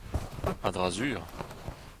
A dra sur